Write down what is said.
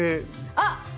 あっ！